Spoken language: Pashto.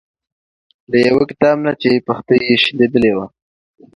له یو کتاب نه یې چې پښتۍ یې شلیدلې وه.